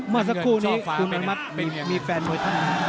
เมื่อสักครู่นี้คุณมันมัดมีแฟนโดยท่านนะครับ